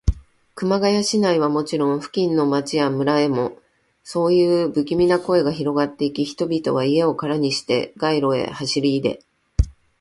熊谷市内はもちろん、付近の町や村へも、そういうぶきみな声がひろがっていき、人々は家をからにして、街路へ走りいで、